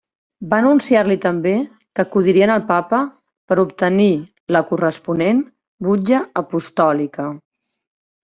Va anunciar-li també que acudirien al papa per obtenir la corresponent butlla apostòlica.